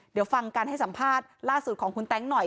เดี๋ยวฟังการให้สัมภาษณ์ล่าสุดของคุณแต๊งหน่อย